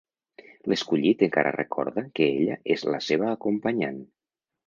L'escollit encara recorda que ella és la seva acompanyant.